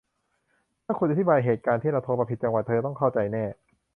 ถ้าคุณอธิบายเหตุการณ์ที่เราโทรมาผิดจังหวะ เธอต้องเข้าใจแน่